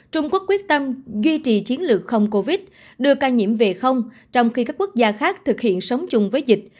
trung quốc quyết tâm duy trì chiến lược không covid đưa ca nhiễm về không trong khi các quốc gia khác thực hiện sống chung với dịch